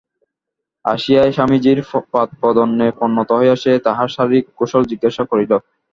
আসিয়াই স্বামীজীর পাদপদ্মে প্রণত হইয়া সে তাঁহার শারীরিক কুশল জিজ্ঞাসা করিল।